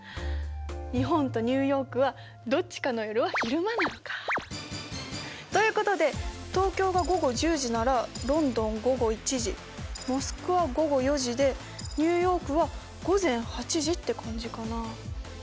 日本とニューヨークはどっちかの夜は昼間なのか。ということで東京が午後１０時ならロンドン午後１時モスクワ午後４時でニューヨークは午前８時って感じかな。